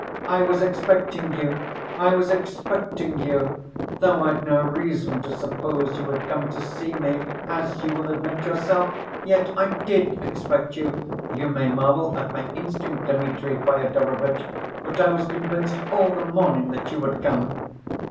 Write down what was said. "I was expecting you! I was expecting you! Though I'd no reason to suppose you would come to see me, as you will admit yourself. Yet, I did expect you. You may marvel at my instinct, Dmitri Fyodorovitch, but I was convinced all the morning that you would come."